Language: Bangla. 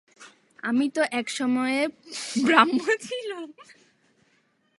আমিও তো এক সময়ে ব্রাহ্ম ছিলুম।